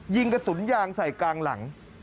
ยิงกระสุนยางใส่กลางหลัง